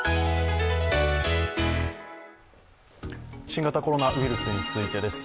新型コロナウイルスについてです。